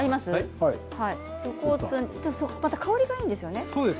また香りがいいんですよね。